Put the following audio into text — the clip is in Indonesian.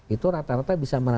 itu rata rata bisa